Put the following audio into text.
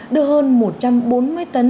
đưa hơn một trăm bốn mươi tấn nông